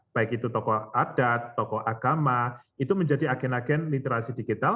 baik itu tokoh adat tokoh agama itu menjadi agen agen literasi digital